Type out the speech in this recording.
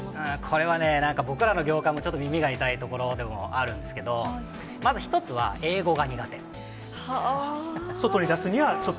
これはね、なんか僕らの業界もちょっと耳が痛いところでもあるんですけど、外に出すにはちょっと。